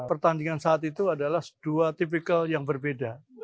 pertandingan saat itu adalah dua tipikal yang berbeda